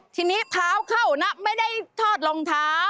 ทีนี้เท้าเข้านะไม่ได้ทอดรองเท้า